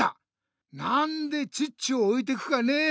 なんでチッチをおいてくかね。